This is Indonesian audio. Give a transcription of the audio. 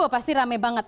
pasti rame banget